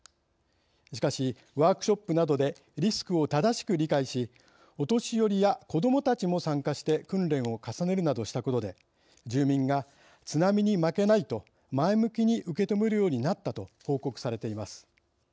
しかしワークショップなどでリスクを正しく理解しお年寄りや子どもたちも参加して訓練を重ねるなどしたことで住民が津波に負けないと前向きに受け止めるようになったと報告されています。